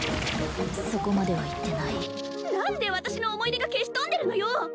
そこまでは言ってない何で私の思い出が消し飛んでるのよ！